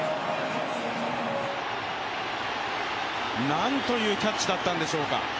なんというキャッチだったんでしょうか。